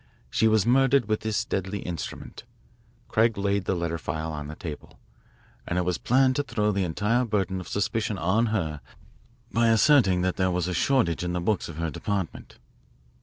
She was murdered with this deadly instrument" Craig laid the letter file on the table "and it was planned to throw the entire burden of suspicion on her by asserting that there was a shortage in the books of her department."